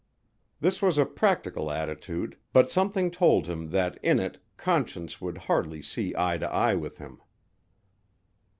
This was a practical attitude, but something told him that in it Conscience would hardly see eye to eye with him.